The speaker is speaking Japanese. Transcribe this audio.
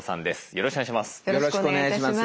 よろしくお願いします。